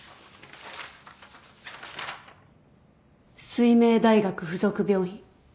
翠明大学附属病院。